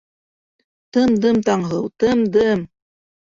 Тымдым, Таңһылыу, тымдым!